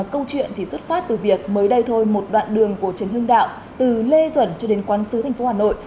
câu chuyện thì xuất phát từ việc mới đây thôi một đoạn đường của trần hương đạo từ lê duẩn cho đến quán sứ tp hà nội